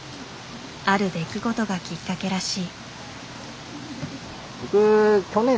ある出来事がきっかけらしい。